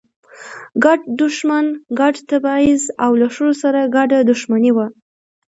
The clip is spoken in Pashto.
ګډ دښمن، ګډ تبعیض او له ښځو سره ګډه دښمني وه.